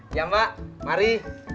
ya mbak mari